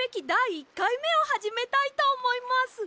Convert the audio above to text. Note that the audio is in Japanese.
１かいめをはじめたいとおもいます。